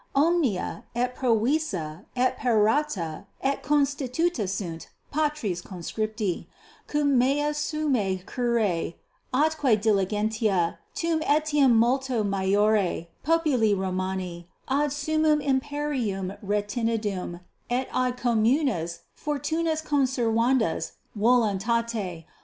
Omnia et provisa et parata et constituta sunt, patres conscripti, cum mea summa cura atque diligentia tum etiam multo maiore populi Romani ad summum imperium retinendum et ad communes fortunas conservandas voluntate.